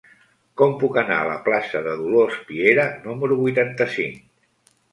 Com puc anar a la plaça de Dolors Piera número vuitanta-cinc?